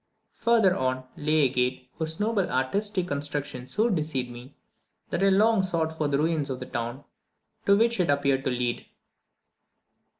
Further on, lay a gate, whose noble artistic construction so deceived me, that I long sought for the ruins of the town to which it appeared to lead.